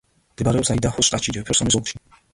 მდებარეობს აიდაჰოს შტატში, ჯეფერსონის ოლქში.